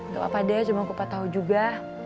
gak apa deh cuma kupat tahu juga